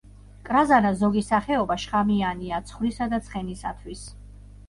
კრაზანას ზოგი სახეობა შხამიანია ცხვრისა და ცხენისათვის.